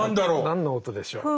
何の音でしょう？